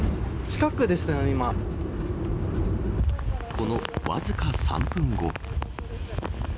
この、わずか３分後。